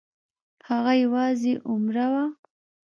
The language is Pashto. هغه یوازې عمره وه.